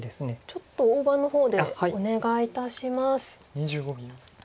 ちょっと大盤の方でお願いいたします。